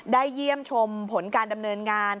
เยี่ยมชมผลการดำเนินงาน